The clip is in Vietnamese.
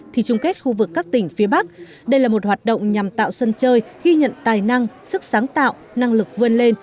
thì chung kết khu vực các tỉnh phía bắc đây là một hoạt động nhằm tạo sân chơi ghi nhận tài năng sức sáng tạo năng lực vươn lên